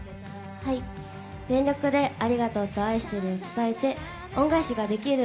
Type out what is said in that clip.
はい、全力でありがとうと愛してるを伝えて、恩返しができる。